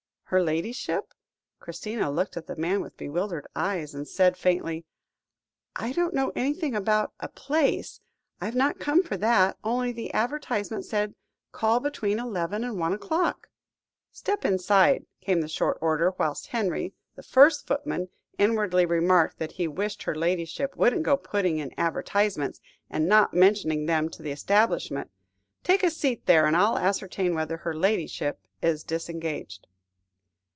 her ladyship!" Christina looked at the man with bewildered eyes, and said faintly "I don't know anything about a place. I have not come for that. Only the advertisement said, 'call between eleven and one o'clock.'" "Step inside," came the short order, whilst Henry, the first footman, inwardly remarked that he wished her ladyship wouldn't go putting in advertisements, and not mentioning them to the establishment. "Take a seat there, and I'll ascertain whether her ladyship is disengaged."